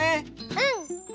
うん！